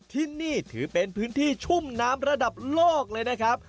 ที่นี่ถือเป็นพื้นที่ชุ่มน้ำระดับโลกเลยนะครับ